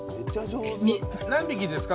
何匹ですか？